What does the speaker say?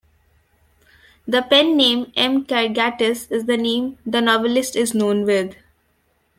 The pen name M. Karagatsis is the name the novelist is known with.